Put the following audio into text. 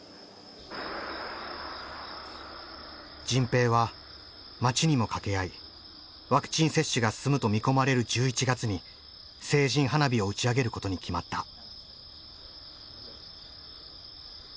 迅平は町にも掛け合いワクチン接種が進むと見込まれる１１月に成人花火を打ち上げることに決まった。